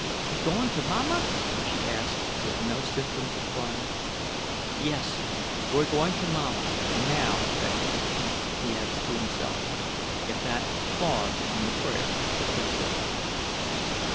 "We goin' to mamma?" she asked, with no symptoms of crying. "Yes, we're going to mamma, now that is," he added to himself; "if that clause in the prayer is considered."